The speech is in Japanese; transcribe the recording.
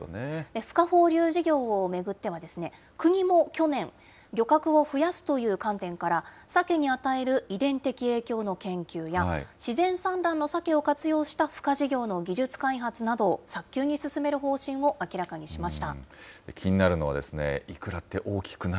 ふ化放流事業を巡っては、国も去年、漁獲を増やすという観点から、サケに与える遺伝的影響の研究や、自然産卵のサケを活用したふ化事業の技術開発などを早急に進める気になるのはイクラって大き